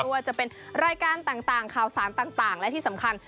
ว่าจะเป็นรายการต่างข่าวสารต่างและที่สำคัญ